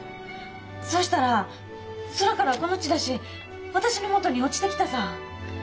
そしたら空からこのチラシ私のもとに落ちてきたさぁ。